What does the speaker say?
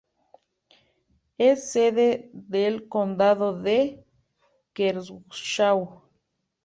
Es sede del condado de Kershaw.